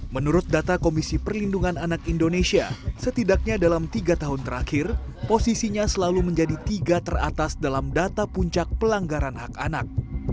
menurut data komisi perlindungan anak indonesia setidaknya dalam tiga tahun terakhir posisinya selalu menjadi tiga teratas dalam data puncak pelanggaran hak anak